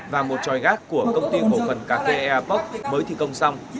và một tròi gác của công ty bộ phần cà phê ea poc mới thi công xong